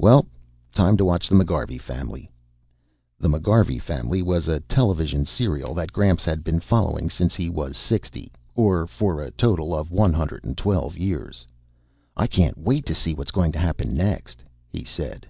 "Well time to watch the McGarvey Family." The McGarvey Family was a television serial that Gramps had been following since he was 60, or for a total of 112 years. "I can't wait to see what's going to happen next," he said.